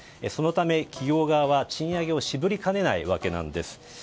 そのため、企業側は賃上げを渋りかねないわけなんです。